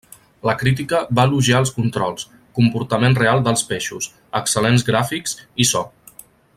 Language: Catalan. La crítica va elogiar els controls, comportament real dels peixos, excel·lents gràfics i so.